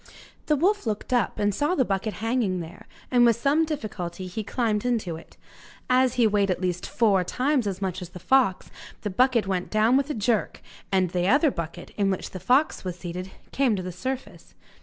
The wolf looked up, and saw the bucket hanging there, and with some difficulty he climbed into it. As he weighed at least four times as much as the fox the bucket went down with a jerk, and the other bucket, in which the fox was seated, came to the surface.